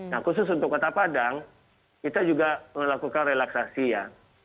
nah khusus untuk kota padang kita juga melakukan relaksasi ya